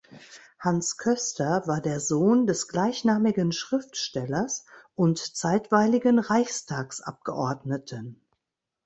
Hans Koester war der Sohn des gleichnamigen Schriftstellers und zeitweiligen Reichstagsabgeordneten.